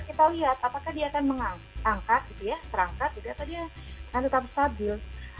kita lihat apakah dia akan mengangkat gitu ya terangkat gitu atau dia akan tetap stabil